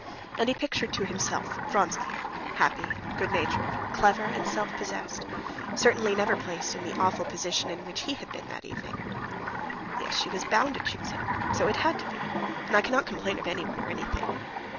And he pictured to himself Vronsky, happy, good natured, clever, and self possessed, certainly never placed in the awful position in which he had been that evening. "Yes, she was bound to choose him. So it had to be, and I cannot complain of anyone or anything.